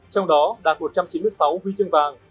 trong đó đạt một trăm chín mươi sáu huy chương vàng